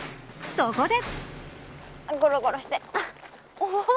そこで。